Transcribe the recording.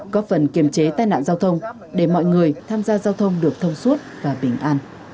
có phần kiềm chế tai nạn giao thông để mọi người tham gia giao thông được thông suốt và bình an